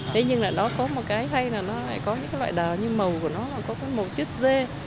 thế nhưng là nó có một cái hay là nó lại có những loại đào như màu của nó là có cái màu tiết dê